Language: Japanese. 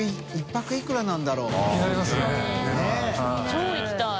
超行きたい。